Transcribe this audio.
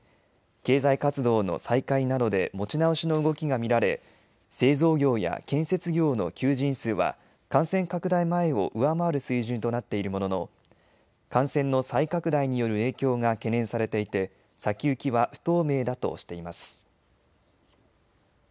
経済活動の再開などで持ち直しの動きが見られ製造業や建設業の求人数は感染拡大前を上回る水準となっているものの感染の再拡大による影響が懸念されていて先行きは不透明だとしています。